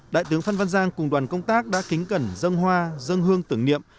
đại tướng phan văn giang cùng đoàn công tác đã kính cẩn dân hoa dân hương tưởng niệm